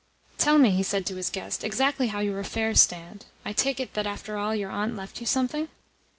"Tell me," he said to his guest, "exactly how your affairs stand. I take it that, after all, your aunt left you something?"